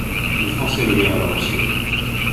Les Français levèrent alors le siège.